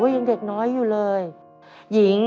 ฉันยังเด็กน้อยอยู่เลย